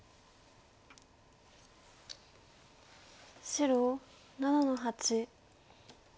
白７の八。